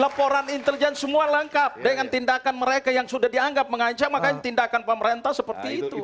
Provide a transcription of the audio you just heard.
laporan intelijen semua lengkap dengan tindakan mereka yang sudah dianggap mengancam makanya tindakan pemerintah seperti itu